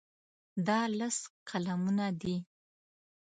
دا لس قلمونه دي.